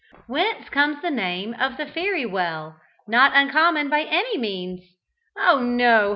Whence comes the name of "the Fairy Well" not uncommon by any means? Oh, no!